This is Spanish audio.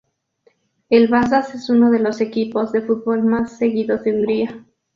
El Vasas es uno de los equipos de fútbol más seguidos de Hungría.